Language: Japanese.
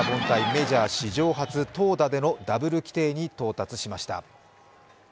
メジャー史上初、投打でのダブル規定に到達しました。